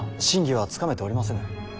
真偽はつかめておりませぬ。